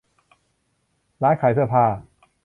ร้านขายเสื้อผ้า